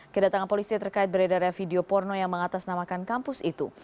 kedatangan polisi terkait beredarnya video porno yang mengatasnamakan kampus itu